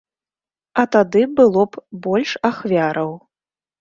А тады было б больш ахвяраў.